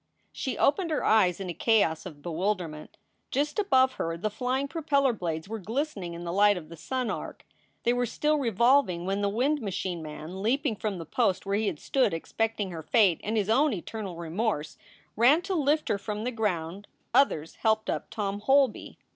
She opened her eyes in a chaos of bewilderment. Just above her the flying propeller blades were glistening in the light of the sun arc. They were still revolving when the wind machine man, leaping from the post where he had stood expecting her fate and his own eternal remorse, ran to lift her from the ground. Others helped up Tom Holby.